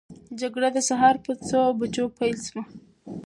جګړه د سهار په څو بجو پیل سوه؟